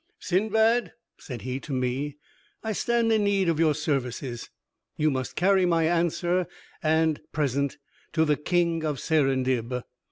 "Sindbad," said he to me, "I stand in need of your services; you must carry my answer and present to the King of Serendib."